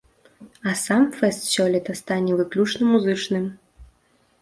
А сам фэст сёлета стане выключна музычным.